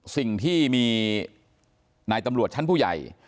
สิ่งที่มีนายตำรวจชั้นผู้ใหญ่